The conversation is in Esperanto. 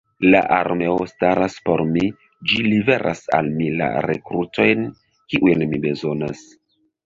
La armeo staras por mi: ĝi liveras al mi la rekrutojn, kiujn mi bezonas.